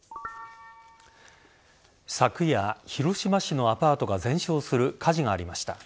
昨夜、広島市のアパートが全焼する火事がありました。